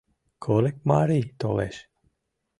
— Курыкмарий толеш!